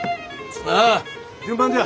ああ順番じゃ。